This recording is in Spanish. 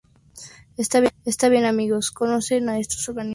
Está bien. Amigos. ¿ conoce a estos organismos?